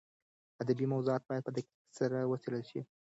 ادبي موضوعات باید په دقت سره وڅېړل شي.